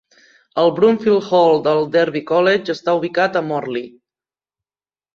El Broomfield Hall del Derby College està ubicat a Morley.